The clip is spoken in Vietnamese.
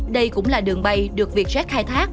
đây cũng là đường bay được việt jet khai thác